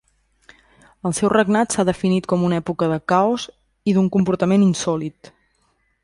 El seu regnat s'ha definit com una època de caos i d'un comportament insòlit.